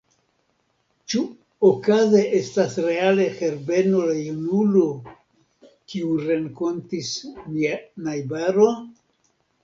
Ĉu okaze estas reale Herbeno la junulo, kiun renkontis nia najbaro?